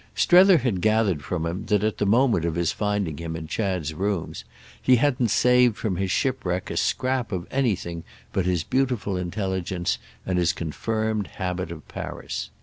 Strether had gathered from him that at the moment of his finding him in Chad's rooms he hadn't saved from his shipwreck a scrap of anything but his beautiful intelligence and his confirmed habit of Paris.